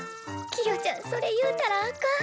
キヨちゃんそれ言うたらあかん。